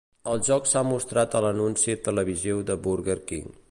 El joc s'ha mostrat a l'anunci televisiu de Burger King.